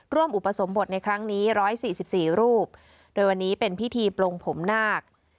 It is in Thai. อุปสมบทในครั้งนี้๑๔๔รูปโดยวันนี้เป็นพิธีปลงผมนาค